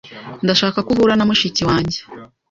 Ndashaka ko uhura na mushiki wanjye.